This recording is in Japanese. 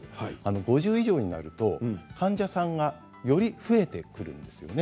５０以上になると、患者さんがより増えてくるんですよね。